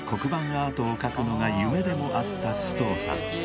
アートを描くのが夢でもあった須藤さん